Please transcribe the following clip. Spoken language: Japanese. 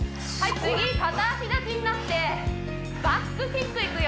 次片脚立ちになってバックキックいくよ